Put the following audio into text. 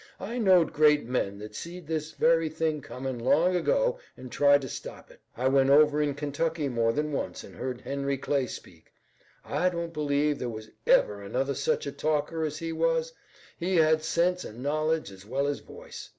I knowed great men that seed this very thing comin' long ago an' tried to stop it. I went over in Kentucky more than once an' heard Henry Clay speak. I don't believe there was ever another such a talker as he was. He had sense an' knowledge as well as voice.